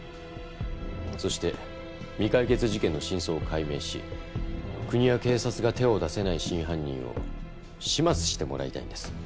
そして未解決事件の真相を解明し国や警察が手を出せない真犯人を始末してもらいたいんです。